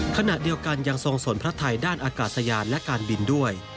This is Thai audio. ขณะเดียวกันยังทรงสนพระไทยด้านอากาศยานและการบินด้วย